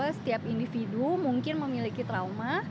setiap individu mungkin memiliki trauma